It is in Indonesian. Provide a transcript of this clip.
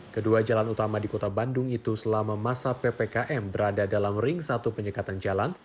kedua jalan utama di kota bandung itu selama masa ppkm berada dalam ring satu penyekatan jalan